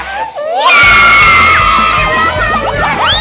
hehehe tunggu tunggu tunggu